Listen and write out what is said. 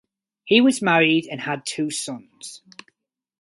He was married and had two sons.